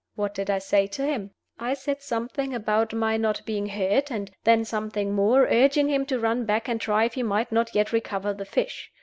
What did I say to him? I said something about my not being hurt, and then something more, urging him to run back and try if he might not yet recover the fish.